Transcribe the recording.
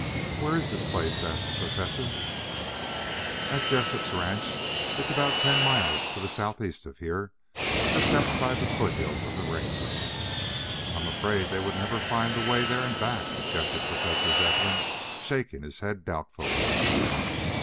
"Where is this place?" asked the Professor. "At Jessup's ranch. It is about ten miles to the southeast of here, just outside the foothills of the range." "I am afraid they would never find the way there and back," objected Professor Zepplin, shaking his head doubtfully.